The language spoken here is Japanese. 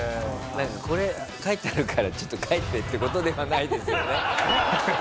「これ書いてあるからちょっと帰って」っていう事ではないですよね？